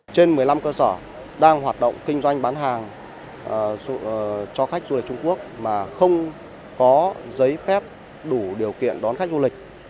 trên một mươi năm cơ sở đang hoạt động kinh doanh bán hàng cho khách du lịch trung quốc mà không có giấy phép đủ điều kiện đón khách du lịch